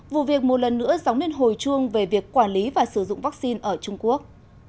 vụ việc một lần nữa dóng lên hồi chuông về việc quản lý và sử dụng vaccine ở trung quốc